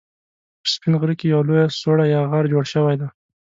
په سپين غره کې يوه لويه سوړه يا غار جوړ شوی دی